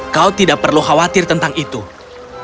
kau tidak perlu khawatir tentang itu